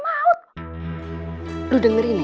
hai tunggu denger ini